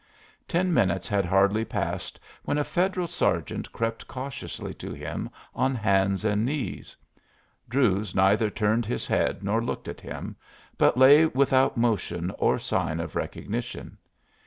Ten minutes had hardly passed when a Federal sergeant crept cautiously to him on hands and knees. Druse neither turned his head nor looked at him, but lay without motion or sign of recognition.